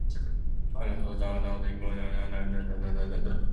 Anderson taught us important life lessons that went beyond academics.